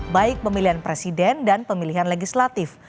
baik pemilihan presiden dan pemilihan legislatif